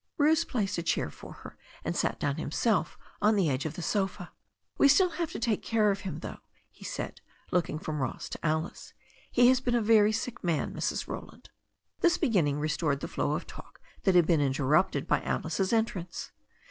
Bruce placed a chair for her, and sat down himself on the edge of the sofa. "We still have to take care of him, though," he said, looking from Ross to Alice. "He has been a very sick man, Mrs. Roland." This beginning restored the flow of talk that had been interrupted by Alice's entrance.